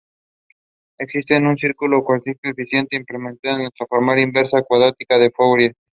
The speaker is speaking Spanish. Existe un circuito cuántico eficiente que implementa la transformada inversa cuántica de Fourier.